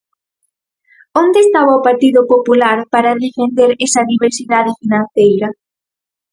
¿Onde estaba o Partido Popular para defender esa diversidade financeira?